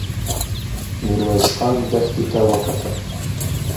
ميرويس خان دښتې ته وکتل.